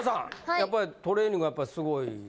やっぱりトレーニングやっぱすごい。